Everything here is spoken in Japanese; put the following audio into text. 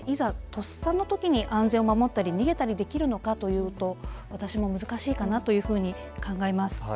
とっさのときに安全を守ったり、逃げたりできるのかということ、私も難しいかなと考えます。